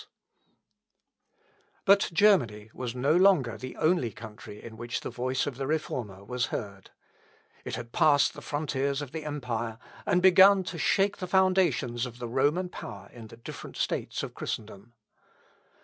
" Sicut aqua inundans. (L. Epp. i. p. 278, 279.) But Germany was no longer the only country in which the voice of the Reformer was heard. It had passed the frontiers of the empire, and begun to shake the foundations of the Roman power in the different states of Christendom.